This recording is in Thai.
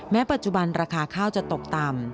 ปัจจุบันราคาข้าวจะตกต่ำ